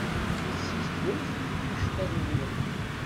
Sizdegemt iceṭṭiḍen-nwent.